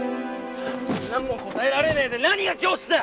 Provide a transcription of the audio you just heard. そんなんも答えられねえでなにが教師だ！